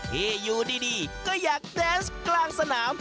ที่อยู่ดีก็อยากแดนส์กลางสนาม